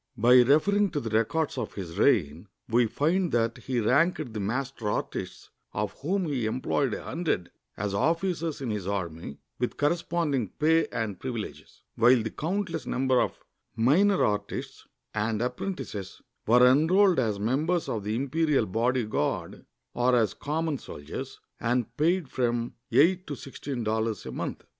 By referring to the records of his reign, we find that he ranked the master artists, of whom he employed a hundred, as officers in his army with corresponding pay and pri\ ileges, while the countless numbers of minor artists and apprentices were enrolled as members of the Imperial Bodyguard, or as common soldiers, and paid from eight to sixteen dollars a month.